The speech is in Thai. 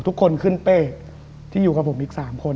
ทุกคนขึ้นเป้ที่อยู่กับผมอีก๓คน